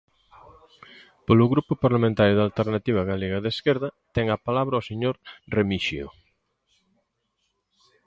Polo Grupo Parlamentario da Alternativa Galega de Esquerda, ten a palabra o señor Remixio.